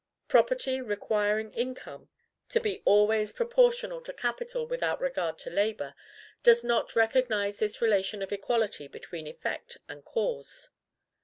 Property, requiring income to be always proportional to capital without regard to labor, does not recognize this relation of equality between effect and cause.